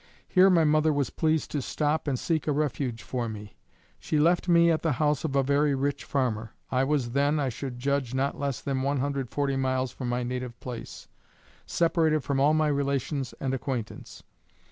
Here my mother was pleased to stop and seek a refuge for me. She left me at the house of a very rich farmer. I was then, I should judge, not less than one hundred forty miles from my native place, separated from all my relations and acquaintance.